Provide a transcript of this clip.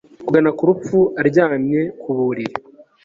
kugana ku rupfu aryamye ku buriri